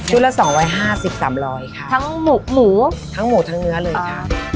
ละสองร้อยห้าสิบสามร้อยค่ะทั้งหมูหมูทั้งหมูทั้งเนื้อเลยค่ะ